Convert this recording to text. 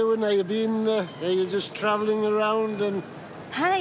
はい。